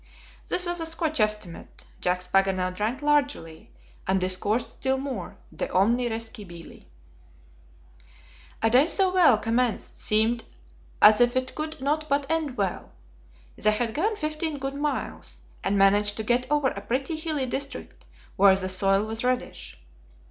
This was a Scotch estimate. Jacques Paganel drank largely, and discoursed still more de omni re scibili. A day so well commenced seemed as if it could not but end well; they had gone fifteen good miles, and managed to get over a pretty hilly district where the soil was reddish.